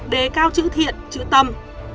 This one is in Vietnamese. đề cao chữ thiện chữ tâm